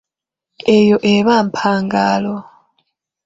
Eyo eba mpagalo.